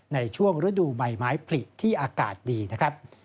ในช่วงฤดูใบไม้ผลิที่อากาศดีนะครับ